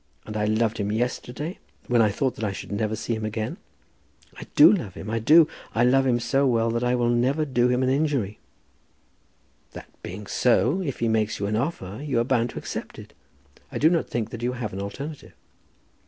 And I loved him yesterday, when I thought that I should never see him again. I do love him. I do. I love him so well that I will never do him an injury." "That being so, if he makes you an offer you are bound to accept it. I do not think that you have an alternative."